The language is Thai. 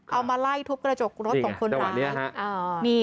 เอามาไล่ทุบกระจกรถของคนร้าย